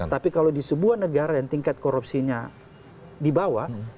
tapi kalau di sebuah negara yang tingkat korupsinya di bawah